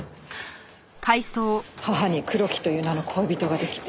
母に黒木という名の恋人が出来て。